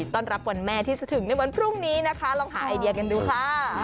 ต้อนรับวันแม่ที่จะถึงในวันพรุ่งนี้นะคะลองหาไอเดียกันดูค่ะ